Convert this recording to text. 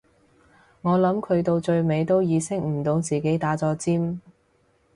我諗佢到最尾都意識唔到自己打咗尖